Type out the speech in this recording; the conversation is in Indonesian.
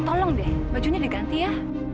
tolong deh bajunya diganti ya